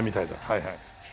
はいはい。